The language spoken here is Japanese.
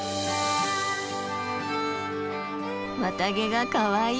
綿毛がかわいい。